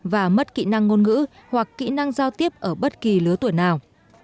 và mất kỹ năng ngôn ngữ hoặc kỹ năng giao tiếp ở bất kỳ lứa tuổi nào